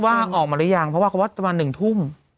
ว่าออกมาหรือยังเพราะว่าตม๑ทุ่ม